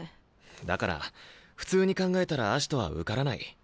だから普通に考えたら葦人は受からない。